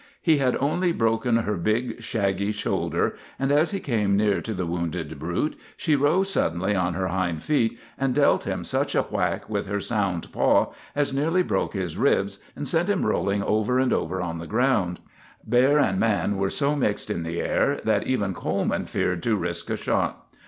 He had only broken her big, shaggy shoulder, and as he came near to the wounded brute she rose suddenly on her hind feet and dealt him such a whack with her sound paw as nearly broke his ribs and sent him rolling over and over on the ground. Bear and man were so mixed in the air that even Coleman feared to risk a shot.